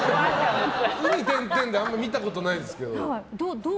「ウ」に点々ってあまり見たことないですけど。